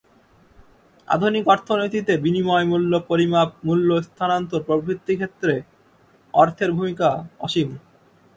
আধুনিক অর্থনীতিতে বিনিময়, মূল্য পরিমাপ, মূল্য স্থানান্তর প্রভৃতি ক্ষেত্রে অর্থের ভূমিকা অসীম।